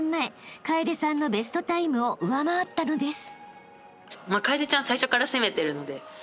［楓さんのベストタイムを上回ったのです］